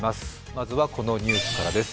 まずはこのニュースからです。